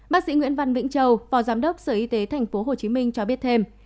bác sĩ nguyễn văn vĩnh châu phó giám đốc sở y tế tp hcm cho biết thêm